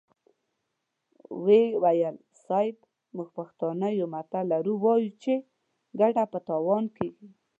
ويې ويل: صيب! موږ پښتانه يو متل لرو، وايو چې ګټه په تاوان کېږي.